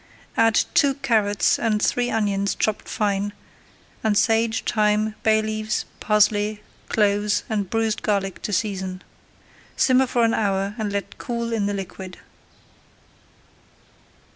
Add two carrots and three onions chopped fine, and sage, thyme, bay leaves, parsley, cloves, and bruised garlic to season. Simmer for an hour and let cool in the liquid.